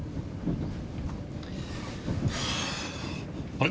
あれ？